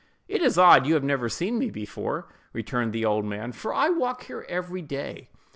"It is odd you have never seen me before," returned the old man, "for I walk here every day."